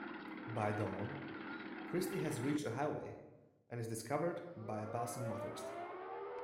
By dawn, Kristy has reached a highway and is discovered by a passing motorist.